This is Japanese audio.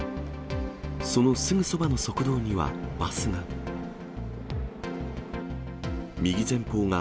そのすぐそばの側道にはバスが。